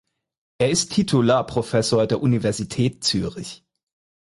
Er ist Titularprofessor der Universität Zürich.